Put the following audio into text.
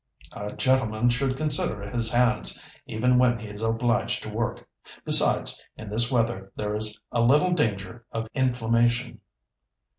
"A gentleman should consider his hands, even when he is obliged to work. Besides, in this weather there is a little danger of inflammation."